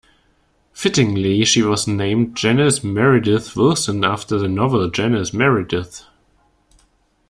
Fittingly, she was named Janice Meredith Wilson, after the novel "Janice Meredith".